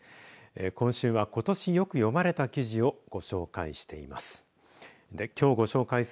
今週は、ことしよく読まれた記事をご紹介しています。。